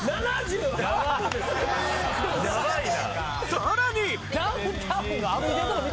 さらに！